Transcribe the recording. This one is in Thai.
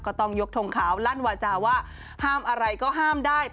ต้องยกทงขาวลั่นวาจาว่าห้ามอะไรก็ห้ามได้